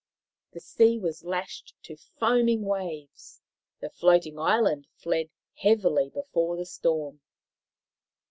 The sea was lashed to foaming waves ; the floating island fled heavily before the storm.